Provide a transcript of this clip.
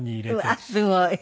うわーすごい。